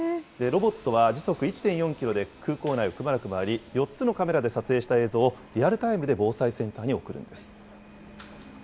ロボットは時速１．４キロで、空港内をくまなく回り、４つのカメラで撮影した映像を、リアルタイムで防災センターに送るんです。